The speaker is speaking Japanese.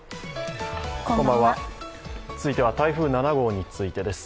続いては台風７号についてです。